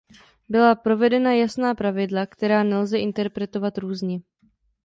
Byla provedena jasná pravidla, která nelze interpretovat různě.